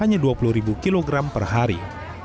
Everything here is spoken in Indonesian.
yang tersedia hanya dua puluh ribu kilogram per hari